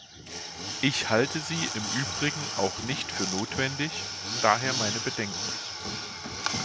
Ich halte sie im Übrigen auch nicht für notwendig, daher meine Bedenken.